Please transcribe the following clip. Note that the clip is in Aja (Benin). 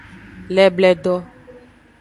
Lebledo.